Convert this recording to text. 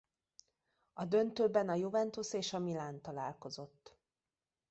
A döntőben a Juventus és a Milan találkozott.